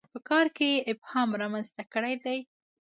په کار کې یې ابهام رامنځته کړی دی.